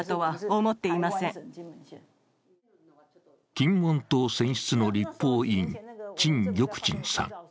金門島選出の立法委員、陳玉珍さん。